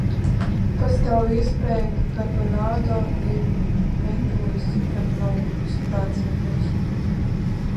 Pastāv iespēja, ka karbonādo ir veidojies supernovu sprādzienos.